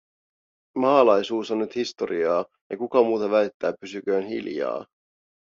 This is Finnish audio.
Maalaisuus on nyt historiaa, ja kuka muuta väittää pysyköön hiljaa.